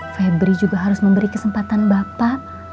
febri juga harus memberi kesempatan bapak